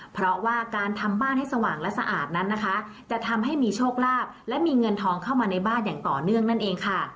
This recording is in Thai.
เพราะว่าการทำบ้านให้สว่างและสะอาดนั้นนะคะจะทำให้มีโชคลาภและมีเงินทองเข้ามาในบ้านอย่างต่อเนื่องนั่นเองค่ะ